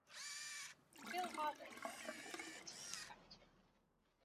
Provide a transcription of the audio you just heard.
Bill Hardaker was the team captain.